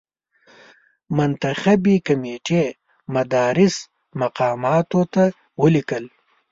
منتخبي کمېټې مدراس مقاماتو ته ولیکل.